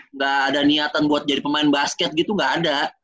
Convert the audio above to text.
nggak ada niatan buat jadi pemain basket gitu nggak ada